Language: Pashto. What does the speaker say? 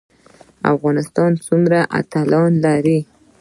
افغانستان څومره اتلان لري؟